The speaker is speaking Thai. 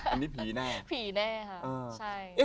อันนี้ผีแน่